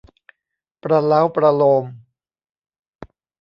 ประเล้าประโลม